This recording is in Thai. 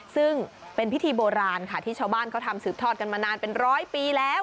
ซึ่งเป็นพิธีโบราณค่ะที่ชาวบ้านเขาทำสืบทอดกันมานานเป็นร้อยปีแล้ว